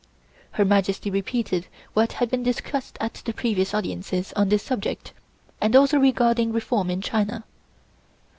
Her Majesty repeated what had been discussed at the previous audiences on this subject and also regarding reform in China.